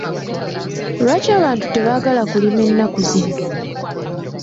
Lwaki abantu tebaagala kulima ennaku zino?